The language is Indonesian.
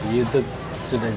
youtube sudah jadi